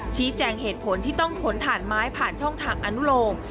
ชี้แจงเหตุผลที่ต้องขนถ่านไม้ผ่านช่องทางอนุโลม